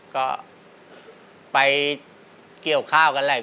ก็ไปเกี่ยวข้าวกับหลายคน